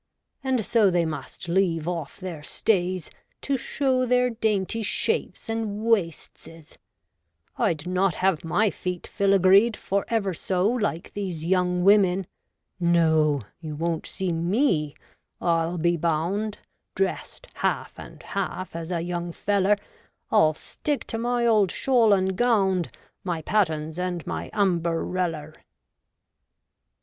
And so they must leave off their stays, to show their dainty shapes and waistjw / I'd not have my feet filagreed, for ever so, like these young women. No ; you won't see me, I'll be bound, dressed half and half, as a young feller ; I'll stick to my old shawl and gownd, my pattens, and my umbereller.